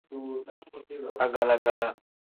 Agala-gala.